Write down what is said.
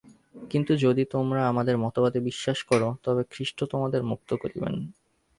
কিন্তু যদি তোমরা আমাদের মতবাদে বিশ্বাস কর, তবে খ্রীষ্ট তোমাদের মুক্ত করিবেন।